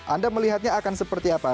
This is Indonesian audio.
anda melihatnya akan seperti apa